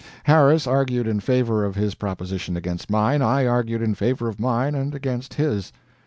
Harris argued in favor of his proposition against mine, I argued in favor of mine and against his.